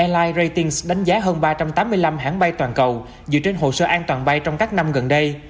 l i ratings đánh giá hơn ba trăm tám mươi năm hãng bay toàn cầu dựa trên hồ sơ an toàn bay trong các năm gần đây